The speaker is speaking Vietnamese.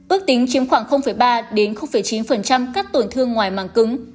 ước tính chiếm khoảng ba chín các tổn thương ngoài màng cứng